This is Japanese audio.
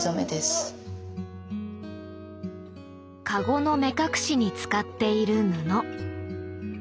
カゴの目隠しに使っている布。